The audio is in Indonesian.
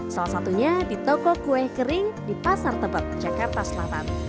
salah satunya di toko kue kering di pasar tebet jakarta selatan